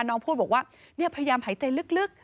น้องพูดว่าเนี่ยพยายามหายใจลึก